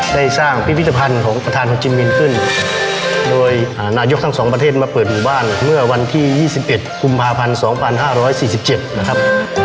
ได้สร้างพิพิธภัณฑ์ของประธานของจิมมินขึ้นโดยนายกทั้งสองประเทศมาเปิดหมู่บ้านเมื่อวันที่๒๑กุมภาพันธ์๒๕๔๗นะครับ